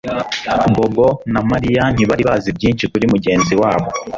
Bobo na Mariya ntibari bazi byinshi kuri mugenzi wabo